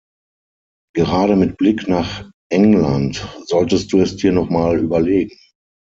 Gerade mit Blick nach England solltest du es dir noch mal überlegen.